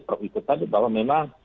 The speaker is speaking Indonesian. prof ika tadi bahwa memang